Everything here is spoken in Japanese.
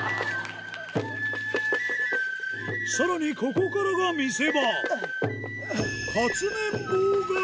さらにここからが見せ場おぉ！